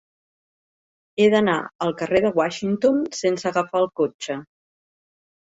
He d'anar al carrer de Washington sense agafar el cotxe.